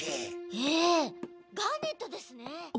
ええガーネットですね。